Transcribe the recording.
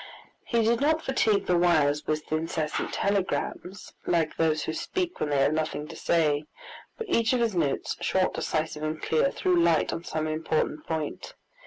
He did not fatigue the wires with incessant telegrams, like those who speak when they have nothing to say, but each of his notes, short, decisive, and clear, threw light on some important point.